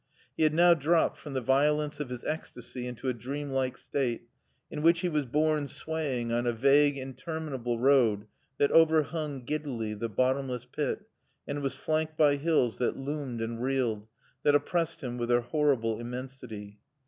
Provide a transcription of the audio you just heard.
He had now dropped from the violence of his ecstasy into a dream like state in which he was borne swaying on a vague, interminable road that overhung, giddily, the bottomless pit and was flanked by hills that loomed and reeled, that oppressed him with their horrible immensity.